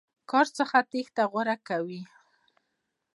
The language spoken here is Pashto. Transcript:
کار څخه تېښته غوره کوي.